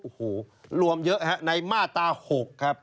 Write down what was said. โอ้โหรวมเยอะฮะในมาตรา๖ครับ